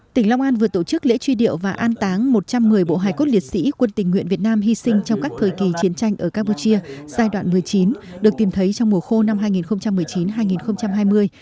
tỉnh long an vừa tổ chức lễ truy điệu và an táng một trăm một mươi bộ hải cốt liệt sĩ quân tình nguyện việt nam hy sinh trong các thời kỳ chiến tranh ở campuchia giai đoạn một mươi chín được tìm thấy trong mùa khô năm hai nghìn một mươi chín hai nghìn hai mươi